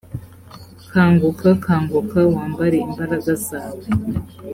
kanguka kanguka wambare imbaraga zawe